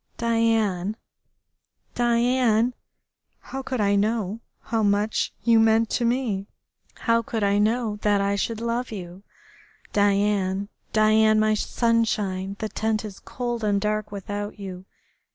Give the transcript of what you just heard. Diane, Diane, how could I know how much you meant to me? How could I know that I should love you?... Diane, Diane, my sunshine. The tent is cold and dark without you....